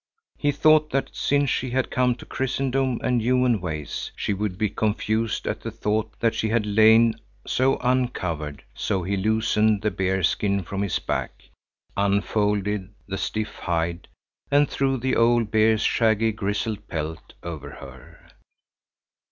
He thought that since she had come to Christendom and human ways, she would be confused at the thought that she had lain so uncovered, so he loosened the bearskin from his back, unfolded the stiff hide, and threw the old bear's shaggy, grizzled pelt over her.